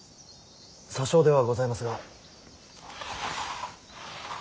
些少ではございますが。